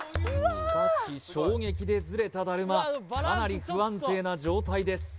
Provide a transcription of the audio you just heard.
しかし衝撃でズレただるまかなり不安定な状態です